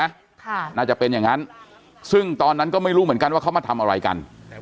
ค่ะน่าจะเป็นอย่างงั้นซึ่งตอนนั้นก็ไม่รู้เหมือนกันว่าเขามาทำอะไรกัน